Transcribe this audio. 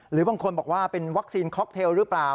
หรือบางคนบอกว่าเป็นวัคซีนค็อกเทลหรือเปล่า